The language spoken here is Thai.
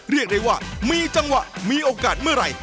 เรียกได้ว่ามีจังหวะมีโอกาสเมื่อไหร่